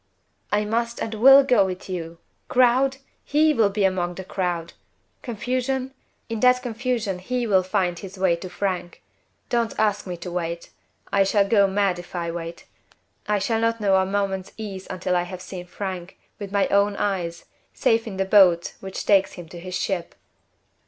"I must and will go with you! Crowd? He will be among the crowd! Confusion? In that confusion he will find his way to Frank! Don't ask me to wait. I shall go mad if I wait. I shall not know a moment's ease until I have seen Frank, with my own eyes, safe in the boat which takes him to his ship!